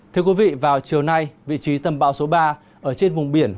thưa quý vị vào chiều nay vị trí tầm bão số ba ở trên vùng biển